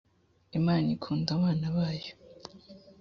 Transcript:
imana ikunda abana bayo.